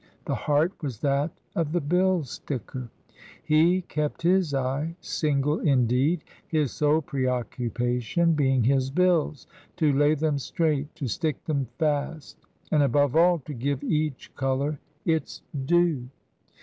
The heart was that of the bill sticker. He kept his eye single, indeed ; his sole preoccupation being his bills, to lay them straight, to stick them fast, and above all to give each colour its due.